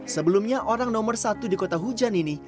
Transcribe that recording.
sebelumnya orang nomor satu di kota hujan ini